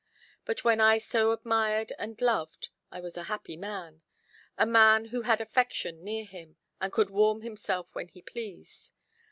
But when I so admired and loved, I was a happy man, a man who had affection near him, and could warm himself when he pleased.